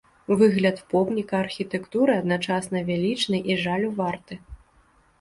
Выгляд помніка архітэктуры адначасна велічны і жалю варты.